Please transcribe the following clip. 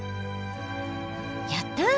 やった！